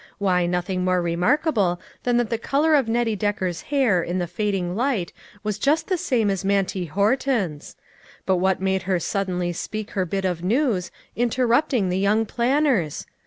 Why, nothing more remark able than that the color of Nettie Decker's hair in the fading light was just the same as Mantie Horton's. But what made her suddenly speak her bit of news, interrupting the young planners